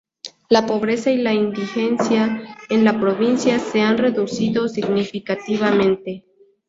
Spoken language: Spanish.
La pobreza y la indigencia en la provincia se han reducido significativamente.